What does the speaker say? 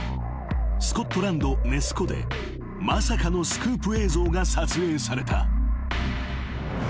スコットランドネス湖でまさかのスクープ映像が撮影された］